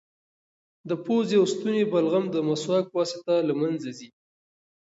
د پوزې او ستوني بلغم د مسواک په واسطه له منځه ځي.